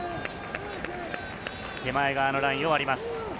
手前側のラインを割ります。